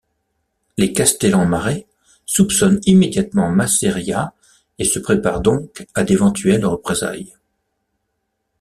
Les castellammarais soupçonnent immédiatement Masseria et se préparent donc à d’éventuelles représailles.